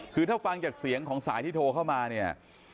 คือถ้าฟังจากเสียงของสายที่โทรเข้ามาเนี่ย